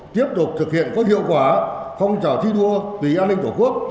tiếp tục thực hiện có hiệu quả phong trào thi đua tùy an ninh của quốc